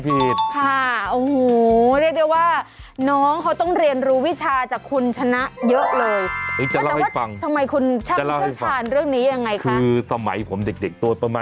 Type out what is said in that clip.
เออแล้วเราไม่รู้ความชมพูของแก้มมันคืออะไร